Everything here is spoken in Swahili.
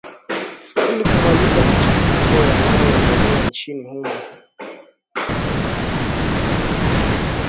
ili kumaliza machafuko yanayo endelea nchini humo